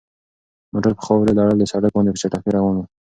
موټر په خاورو لړلي سړک باندې په چټکۍ روان و.